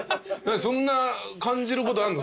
そんな感じることあるの？